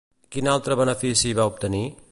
Quin altre benefici va obtenir?